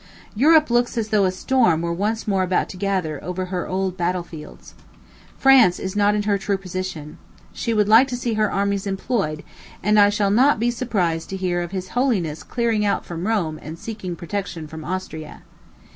Europe looks as though a storm were once more about to gather over her old battle fields. France is not in her true position. She would like to see her armies employed; and I shall not be surprised to hear of his holiness clearing out from Rome and seeking protection from Austria.